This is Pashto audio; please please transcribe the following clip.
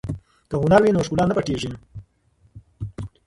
که هنر وي نو ښکلا نه پټیږي.